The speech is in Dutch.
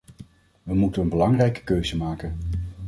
We moeten een belangrijke keuze maken.